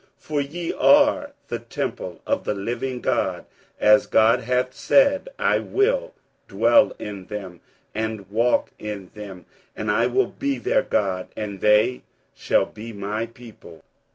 for ye are the temple of the living God; as God hath said, I will dwell in them, and walk in them; and I will be their God, and they shall be my people.